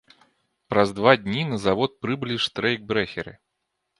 Праз два дні на завод прыбылі штрэйкбрэхеры.